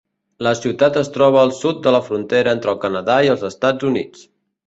La ciutat es troba al sud de la frontera entre el Canadà i els Estats Units.